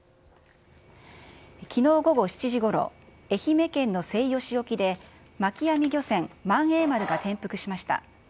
きのう午後７時ごろ、愛媛県の西予市沖で、巻き網漁船、萬栄丸が転覆しました。